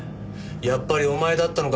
「やっぱりお前だったのか。